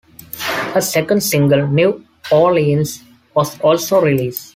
A second single, "New Orleans" was also released.